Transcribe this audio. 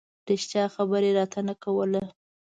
رښتیا خبره یې راته نه کوله.